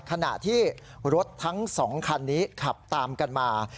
ขณะที่รถทั้ง๒คันนี้ขับตามกันมา